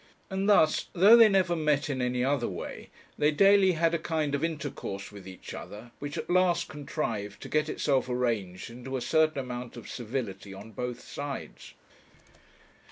And thus, though they never met in any other way, they daily had a kind of intercourse with each other, which, at last, contrived to get itself arranged into a certain amount of civility on both sides.